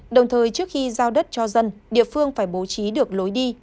đồng thời trước khi giao đất cho dân địa phương phải bố trí được lối đi